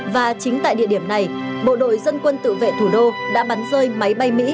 và chính tại địa điểm này bộ đội dân quân tự vệ thủ đô đã bắn rơi máy bay mỹ